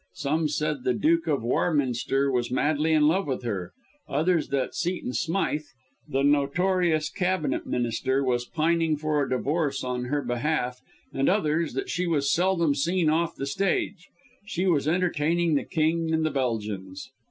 Some said the Duke of Warminster was madly in love with her; others that Seaton Smyth, the notorious Cabinet Minister, was pining for a divorce on her behalf, and others, that she was seldom seen off the stage she was entertaining the King of the Belgians.